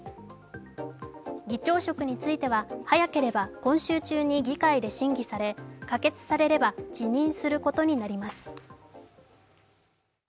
議長職については早ければ今週中に議会で審議され、可決されれば辞任することになります。